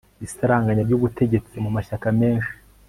isaranganya ry'ubutegetsi mu mashyaka menshi